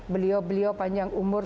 beliau beliau panjang umur